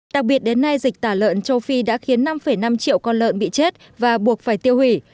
đặc biệt đến nay dịch tả lợn châu phi đã khiến năm năm triệu con lợn bị chết và buộc phải tiêu hủy